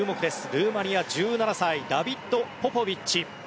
ルーマニア、１７歳ダビッド・ポポビッチ。